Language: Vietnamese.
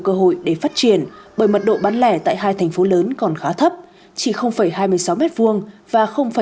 cơ hội để phát triển bởi mật độ bán lẻ tại hai thành phố lớn còn khá thấp chỉ hai mươi sáu m hai và một mươi hai